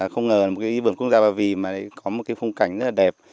không ngờ là một cái vườn quốc gia ba vì mà có một cái phong cảnh rất là đẹp